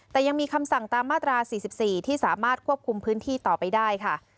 แต่ยังมีคำสั่งตามมาตรา๔๔ที่สามารถควบคุมพื้นที่ต่อไปได้ค่ะ